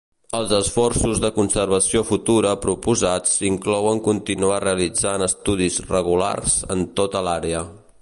Els esforços de conservació futura proposats inclouen continuar realitzant estudis regulars en tota l'àrea.